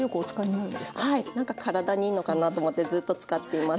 なんか体にいいのかなと思ってずっと使っています。